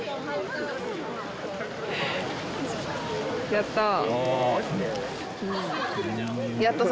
やったー。